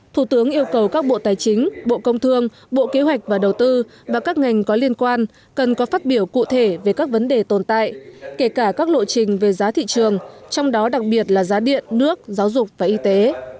thủ tướng yêu cầu các bộ tài chính bộ công thương bộ kế hoạch và đầu tư và các ngành có liên quan cần có phát biểu cụ thể về các vấn đề tồn tại kể cả các lộ trình về giá thị trường trong đó đặc biệt là giá điện nước giáo dục và y tế